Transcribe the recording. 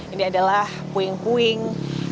ini adalah puing puing dari bus yang terlalu banyak